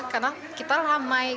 karena kita ramai